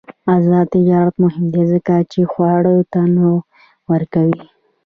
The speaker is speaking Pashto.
آزاد تجارت مهم دی ځکه چې خواړه تنوع ورکوي.